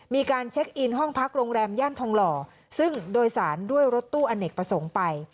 มีการเช็คอินห้องพักโรงแรมย่านทองหล่อซึ่งโดยสารด้วยรถตู้อเนกประสงค์ไป